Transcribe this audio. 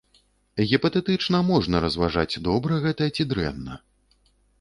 Гіпатэтычна можна разважаць, добра гэта ці дрэнна.